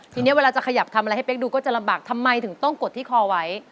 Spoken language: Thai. ทีนี้เวลาจะขยับทำอะไรให้เป๊กดูก็จะลำบากทำไมถึงต้องกดที่คอไว้